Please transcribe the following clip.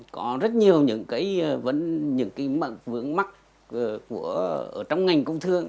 có rất nhiều những vấn vấn mắc ở trong ngành công thương